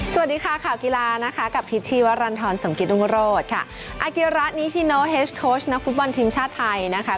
สวัสดีค่ะข่าวกีฬานะคะกับพิษชีวรรณฑรสมกิตรุงโรธค่ะอาเกียระนิชิโนเฮสโค้ชนักฟุตบอลทีมชาติไทยนะคะ